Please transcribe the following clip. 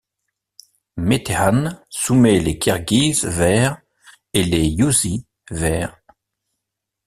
Metehan soumet les Kirghizes vers et les Yuezhi vers -.